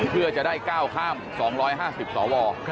เพื่อจะได้ก้าวข้าม๒๕๐สว